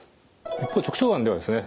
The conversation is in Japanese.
一方直腸がんではですね